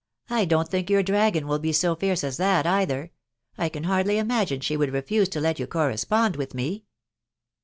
" I don't think your dragon will be so fiercesa tint either. ... I can hardly imagine she would refuse to let you correspond with me."